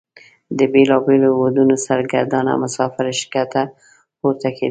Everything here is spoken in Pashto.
د بیلابیلو هیوادونو سرګردانه مسافر ښکته پورته کیدل.